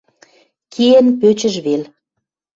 Киэн пӧчӹж вел...